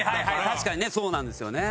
確かにねそうなんですよね。